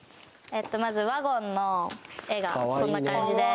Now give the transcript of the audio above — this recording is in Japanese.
まずワゴンの絵がこんな感じです